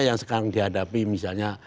yang dihadapi misalnya